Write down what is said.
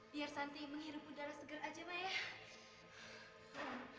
biar santi mengirim udara segar saja ma ya